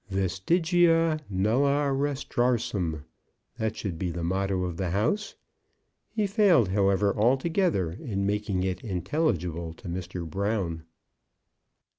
Vestigia Nulla Retrorsum. That should be the motto of the house. He failed, however, altogether in making it intelligible to Mr. Brown.